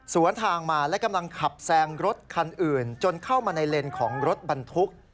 ทางมาและกำลังขับแซงรถคันอื่นจนเข้ามาในเลนของรถบรรทุก